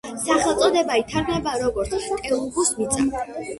სახელწოდება ითარგმნება, როგორც „ტელუგუს მიწა“.